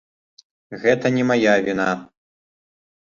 Гэта не мая віна.